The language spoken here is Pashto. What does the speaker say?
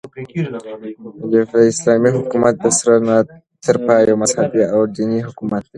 الف : اسلامي حكومت دسره نه تر پايه يو مذهبي او ديني حكومت دى